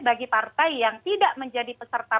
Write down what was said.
bagi partai yang tidak menjadi peserta